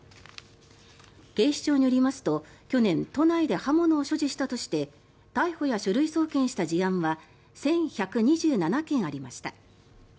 警視庁によりますと去年、都内で刃物を所持したとして逮捕や書類送検した事案は１１２７件ありました。